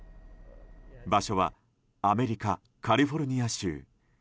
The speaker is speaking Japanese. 場所はアメリカ・カリフォルニア州。